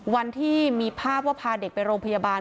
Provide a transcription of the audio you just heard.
วันที่มีภาพว่าพาเด็กไปโรงพยาบาล